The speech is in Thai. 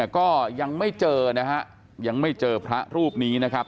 ก็ยังไม่เจอนะฮะยังไม่เจอพระรูปนี้นะครับ